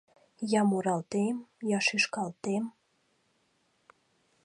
Я муралтем, я шӱшкалтем